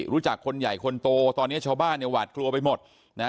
รู้จักคนใหญ่คนโตตอนนี้ชาวบ้านเนี่ยหวาดกลัวไปหมดนะฮะ